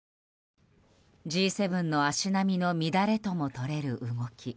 Ｇ７の足並みの乱れとも取れる動き。